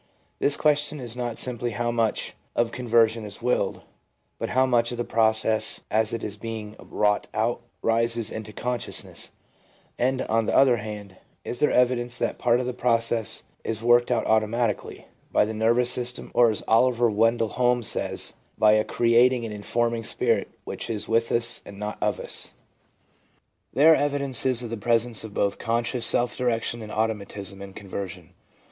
The question is not simply how much of conver sion is willed, but how much of the process as it is being wrought out rises into consciousness ; and, on the other hand, is there evidence that part of the process is worked out automatically by the nervous system, or, as Oliver Wendell Holmes says, by 'a creating and informing spirit which is with us and not of us.' There are evidences of the presence of both conscious self direction and automatism in conversion.